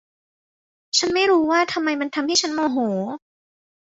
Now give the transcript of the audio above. ฉันไม่รู้ว่าทำไมมันทำให้ฉันโมโห